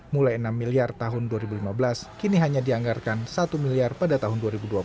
mulai enam miliar tahun dua ribu lima belas kini hanya dianggarkan satu miliar pada tahun dua ribu dua puluh